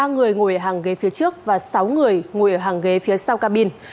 ba người ngồi hàng ghế phía trước và sáu người ngồi ở hàng ghế phía sau cabin